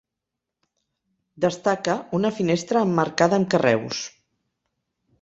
Destaca una finestra emmarcada amb carreus.